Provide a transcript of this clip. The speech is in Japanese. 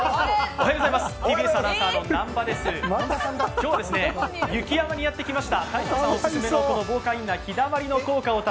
今日は雪山にやってきました。